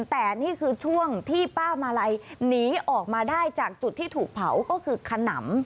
แต่นี่คือช่วงที่ป้ามาลัยหนีออกมาได้จากจุดที่ถูกเผาก็คือขนำ